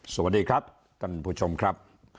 สวัสดีครับท่านผู้ชมครับ